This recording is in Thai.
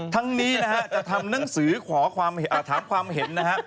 ทั้งนี้นะฮะจะทำหนังสือขอถามความเห็นนะฮะ